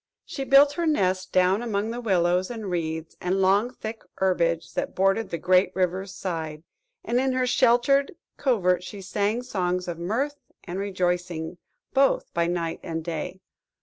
She built her nest down among the willows, and reeds, and long thick herbage that bordered the great river's side, and in her sheltered covert she sang songs of mirth and rejoicing both by night and day.